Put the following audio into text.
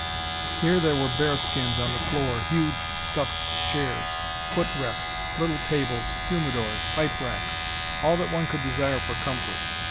Here there were bearskins on the floor, huge stuffed chairs, footrests, little tables, humidors, pipe racks, all that one could desire for comfort.